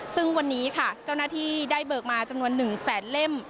ซึ่งวันนี้ค่ะเจ้าหน้าที่ได้เบิกมาจำนวน๑แสนเล่ม